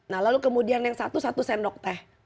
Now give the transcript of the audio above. nah lalu kemudian yang satu satu sendok teh